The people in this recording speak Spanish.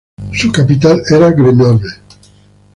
Su capital era Grenoble.